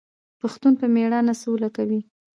پښتون په میړانه سوله کوي.